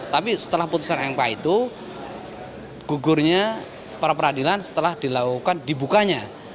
tapi setelah putusan mk itu gugurnya pra peradilan setelah dilakukan dibukanya